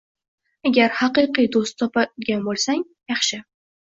Agarda haqiqiy do‘st topgan bo‘lsang, yaxshi.